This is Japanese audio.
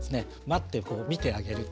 待って見てあげる。